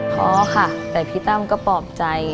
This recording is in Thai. พอค่ะแต่พี่ตั้มก็ปลอบใจ